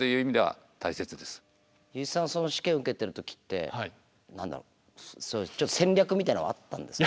油井さんその試験受けてる時って何だろ戦略みたいなのはあったんですか？